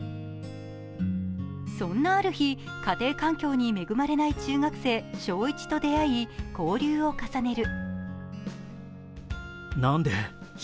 そんなある日、家庭環境に恵まれない小学生笙一と出会い、交流を重ねる。